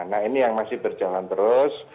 nah ini yang masih berjalan terus